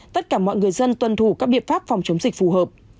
tất cả mọi người dân tuân thủ các biện pháp phòng chống dịch phù hợp